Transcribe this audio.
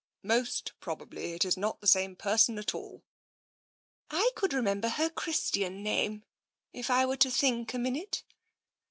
" Most probably it is not the same person at all." " I could remember her Christian name, if I were to think a minute.